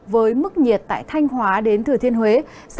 với mức nhiệt tại thanh hóa đến thừa thiên huế